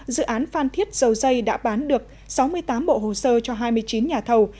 dự án phan thiết dầu dây đã bán được sáu mươi tám bộ hồ sơ cho hai mươi chín nhà thầu